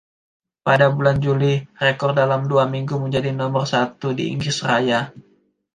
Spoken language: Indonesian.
Pada bulan Juli, rekor dalam dua minggu menjadi nomor satu di Inggris Raya.